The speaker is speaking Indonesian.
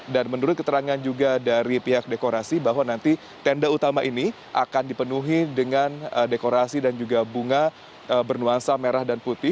dan menurut keterangan juga dari pihak dekorasi bahwa nanti tenda utama ini akan dipenuhi dengan dekorasi dan juga bunga bernuansa merah dan putih